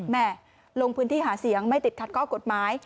แม่ลงพื้นที่หาเสียงไม่ติดขัดข้อกฎหมาย